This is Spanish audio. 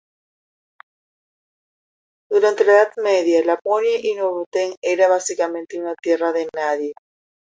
Durante la Edad Media, Laponia y Norrbotten eran básicamente una tierra de nadie.